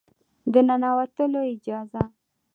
د ننوتلو اجازه